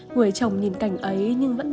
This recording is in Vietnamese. người chồng nhìn cảnh ấy nhưng vẫn lặng im